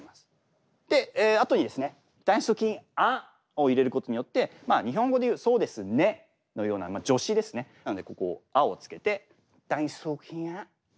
であとにですね「だいすき『あ』」を入れることによって日本語でいう「そうです『ね』」のような助詞ですねなのでここ「あ」をつけて「だいすきあ」なんですね。